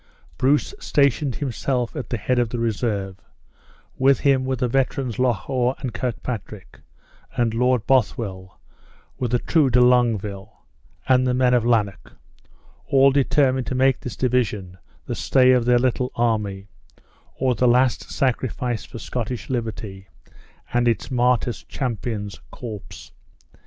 Bruce stationed himself at the head of the reserve; with him were the veterans Loch awe, and Kirkpatrick, and Lord Bothwell with the true De Longueville, and the men of Lanark, all determined to make this division the stay of their little army, or the last sacrifice for Scottish liberty and its martyred champion's corpse.